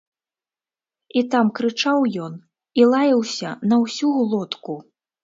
І там крычаў ён і лаяўся на ўсю глотку.